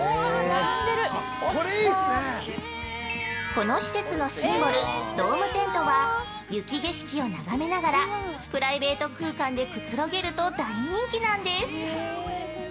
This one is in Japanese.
◆この施設のシンボル、ドームテントは雪景色を眺めながらプライベート空間でくつろげると大人気なんです。